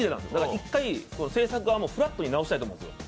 １回、制作側もフラットに直したいと思うんです。